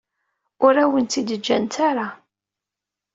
Ur awen-tt-id-ǧǧant ara.